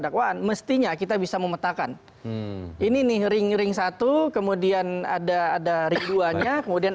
dakwaan mestinya kita bisa memetakan ini nih ring ring satu kemudian ada ada ribuannya kemudian